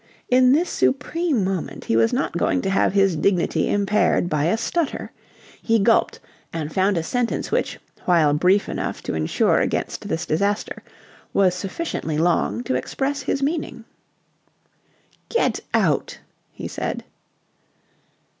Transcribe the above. In this supreme moment he was not going to have his dignity impaired by a stutter. He gulped and found a sentence which, while brief enough to insure against this disaster, was sufficiently long to express his meaning. "Get out!" he said.